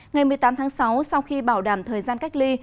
ngày một mươi tám tháng sáu sau khi bảo đảm thời gian cách ly